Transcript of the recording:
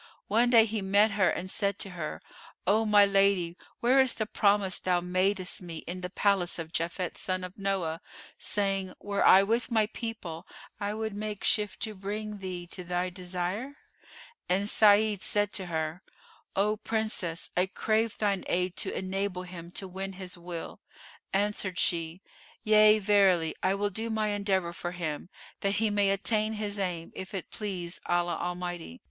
One day, he met her and said to her, "O my lady, where is the promise thou madest me, in the palace of Japhet son of Noah, saying, 'Were I with my people, I would make shift to bring thee to thy desire?'" And Sa'id said to her, "O Princess, I crave thine aid to enable him to win his will." Answered she, "Yea, verily; I will do my endeavour for him, that he may attain his aim, if it please Allah Almighty."